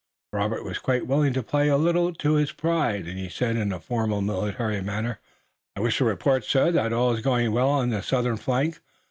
Robert was quite willing to play a little to his pride and he said in the formal military manner: "I wish to report, sir, that all is going well on the southern flank.